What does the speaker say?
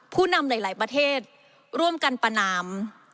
ผู้นำหลายประเทศร่วมกันประนาม